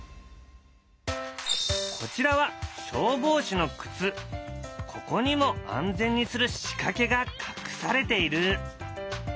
こちらはここにも安全にする仕掛けが隠されている。